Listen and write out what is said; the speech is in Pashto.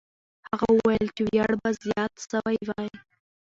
هغه وویل چې ویاړ به زیات سوی وای.